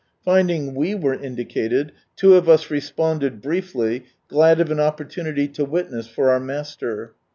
Finding av were indicated, two of us responded briefly, glad of an opportunity to witness for our Master.